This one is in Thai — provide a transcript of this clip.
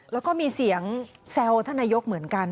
แล้วก็มีเสียงแซวท่านนายกเหมือนกัน